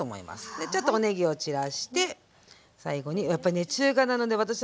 でちょっとおねぎを散らして最後にやっぱりね中華なので私はね